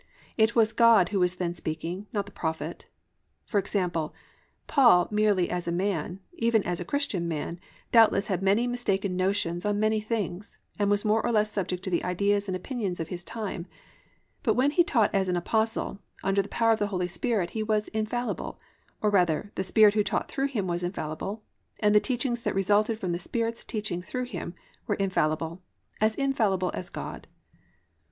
It was God who was then speaking, not the Prophet. For example, Paul merely as a man, even as a Christian man, doubtless had many mistaken notions on many things, and was more or less subject to the ideas and opinions of his time, but when he taught as an Apostle, under the power of the Holy Spirit he was infallible, or rather the Spirit who taught through him was infallible, and the teachings that resulted from the Spirit's teaching through him, were infallible, as infallible as God.